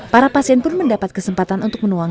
para pasien pun mendapat kesempatan untuk menuangkan